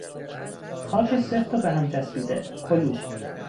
خاک سفت و به هم چسبیده، کلوخ